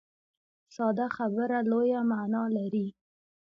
ساده خبره لویه معنا لري.